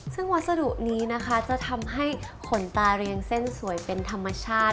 ซึ่งวัสดุนี้นะคะจะทำให้ขนตาเรียงเส้นสวยเป็นธรรมชาติ